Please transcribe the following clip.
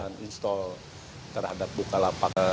kita akan install terhadap bukalapak